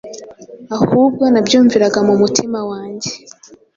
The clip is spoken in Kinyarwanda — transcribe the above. ahubwo nabyumviraga mu mutima wanjye